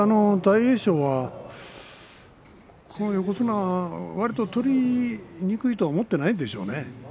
大栄翔はこの横綱、わりと取りにくいとは思っていないでしょうね。